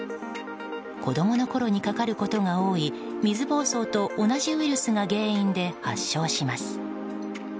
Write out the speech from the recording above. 子供のころにかかることが多い水ぼうそうと同じウイルスが原因で発症します。